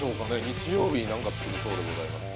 日曜日に何か作るそうでございます。